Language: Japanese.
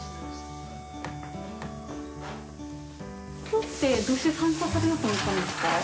今日ってどうして参加されようと思ったんですか？